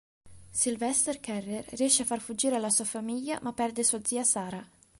Sylvester Carrier riesce a far fuggire la sua famiglia ma perde sua zia Sarah.